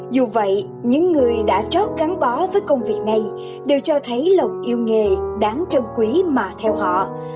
dù vậy những người đã trót cắn bó với công việc này đều cho thấy lòng yêu nghề đáng trân quý mà theo họ